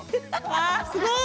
わあすごい！